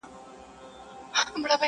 تر ملكونو تر ښارونو رسيدلي.!